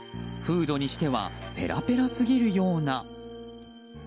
フードにしてはペラペラすぎるような。